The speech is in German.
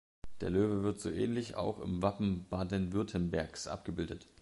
Der Löwe wird so ähnlich auch im Wappen Baden-Württembergs abgebildet.